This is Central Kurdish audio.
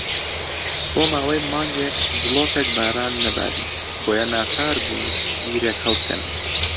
بۆ ماوەی مانگێک دڵۆپێک باران نەباری، بۆیە ناچار بوون بیرێک هەڵبکەنن.